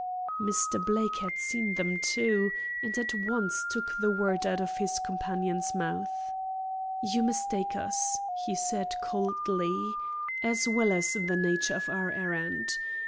Mr. Blake had seen them, too, and at once took the word out of his companion's mouth. "You mistake us," he said coldly, "as well as the nature of our errand.